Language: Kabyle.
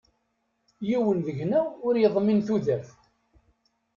Yiwen deg-neɣ ur yeḍmin tudert.